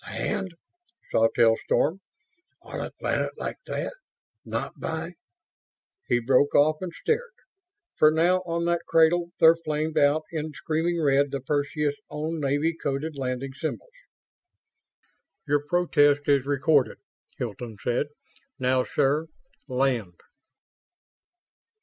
"Land!" Sawtelle stormed. "On a planet like that? Not by ..." He broke off and stared; for now, on that cradle, there flamed out in screaming red the Perseus' own Navy coded landing symbols! "Your protest is recorded," Hilton said. "Now, sir, land."